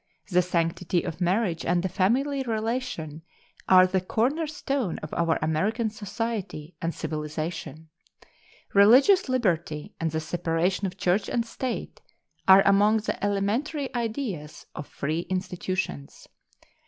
The sanctity of marriage and the family relation are the corner stone of our American society and civilization. Religious liberty and the separation of church and state are among the elementary ideas of free institutions.